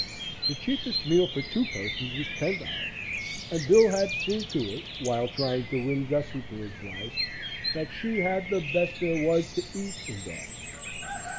The cheapest meal for two persons was $10, and Bill had seen to it, while trying to win Gussie for his wife, that she had the best there was to eat in Dawson.